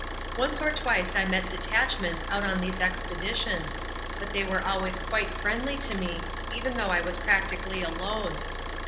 Once or twice I met detachments out on these expeditions, but they were always quite friendly to me, even though I was practically alone.